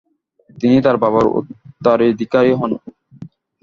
তিনি তার বাবার উত্তরাধিকারী হন।